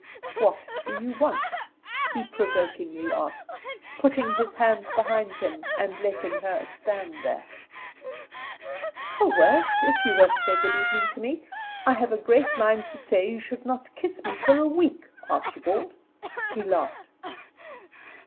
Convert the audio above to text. "What do you want?" he provokingly asked, putting his hands behind him, and letting her stand there. "Oh, well if you won't say good evening to me, I have a great mind to say you should not kiss me for a week, Archibald." He laughed.